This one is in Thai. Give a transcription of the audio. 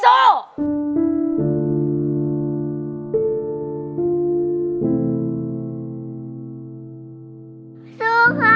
โอเค